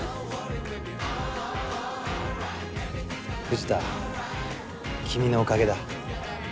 藤田君のおかげだ。